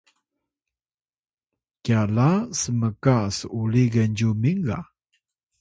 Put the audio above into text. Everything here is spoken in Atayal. kyala smka s’uli Genzyumin ga